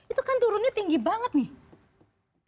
itu kan turunnya tinggi banget nih